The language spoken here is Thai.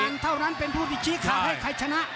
เท่านั้นเป็นผู้ที่ชี้ขาดให้ใครชนะ